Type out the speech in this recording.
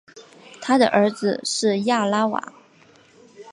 他的儿子是亚拉瓦。